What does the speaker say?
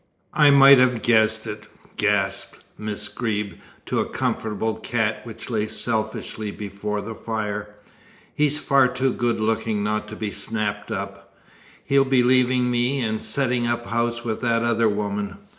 "I might have guessed it," gasped Miss Greeb to a comfortable cat which lay selfishly before the fire. "He's far too good looking not to be snapped up. He'll be leaving me and setting up house with that other woman.